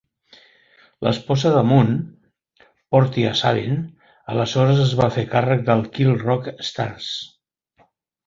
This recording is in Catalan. L'esposa de Moon, Portia Sabin, aleshores es va fer càrrec de Kill Rock Stars.